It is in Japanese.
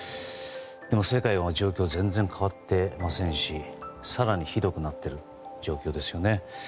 でも世界の状況は全然変わってませんし更にひどくなっている状況ですよね。